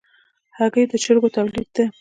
هګۍ د چرګو تولید ده.